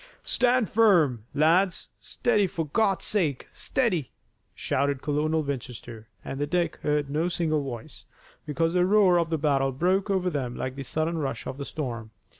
"Stand firm, lads; steady for God's sake, steady!" shouted Colonel Winchester, and then Dick heard no single voice, because the roar of the battle broke over them like the sudden rush of a storm.